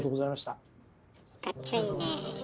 かっちょいいね。